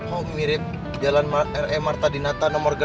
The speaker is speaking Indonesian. oh mirip jalan r e marta dinata nomor enam belas ya teh